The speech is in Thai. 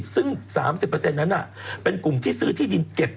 ซึ่ง๓๐นั้นเป็นกลุ่มที่ซื้อที่ดินเก็บ